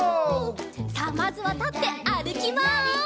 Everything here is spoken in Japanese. さあまずはたってあるきます！